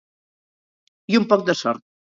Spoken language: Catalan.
I un poc de sort.